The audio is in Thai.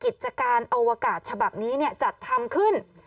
กิจการอวกาศฉบับนี้จัดทำขึ้น